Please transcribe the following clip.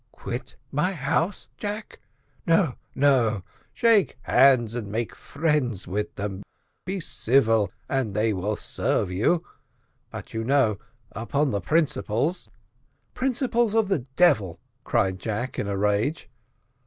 "Quit my house, Jack! no, no shake hands and make friends with them; be civil, and they will serve you but you know upon the principles " "Principles of the devil!" cried Jack in a rage.